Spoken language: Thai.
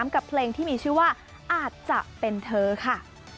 กับเพลงที่มีชื่อว่าอาจจะเป็นเธอค่ะ